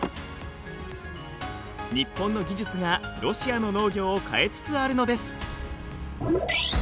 日本の技術がロシアの農業を変えつつあるのです。